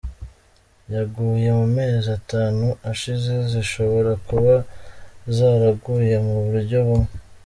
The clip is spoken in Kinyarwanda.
yaguye mu mezi atanu ashize zishobora kuba zaraguye mu buryo bumwe